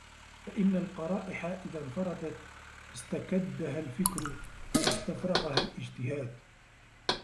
فَإِنَّ الْقَرَائِحَ إذَا انْفَرَدَتْ اسْتَكَدَّهَا الْفِكْرُ وَاسْتَفْرَغَهَا الِاجْتِهَادُ